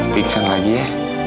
tinggal lagi ya